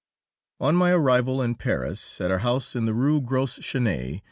On my arrival in Paris at our house in the Rue Gros Chenet, M.